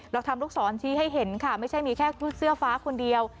เราทำลูกศรชี้ให้เห็นค่ะไม่ใช่มีแค่เสื้อฟ้าคนเดียว